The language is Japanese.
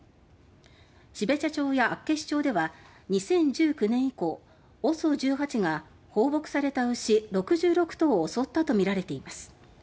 標茶町や厚岸町では２０１９年以降「ＯＳＯ１８」が放牧された牛６６頭を襲ったとみられています。